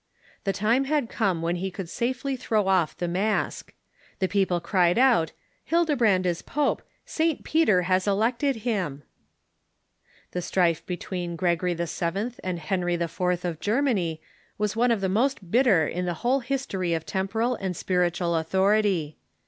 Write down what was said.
The time had come when he could safely throw off the mask. The people cried out :" Hildebrand is pope ; St. Peter has elected him !" The strife between Gregory VII. and Henry IV. of Ger many Avas one of the most bitter in the Avhole history of tem poral and spiritual authority.